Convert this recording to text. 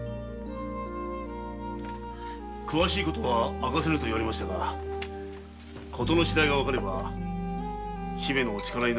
詳しい事は明かせぬと言われましたが事の次第が分かれば姫の力になれると思います。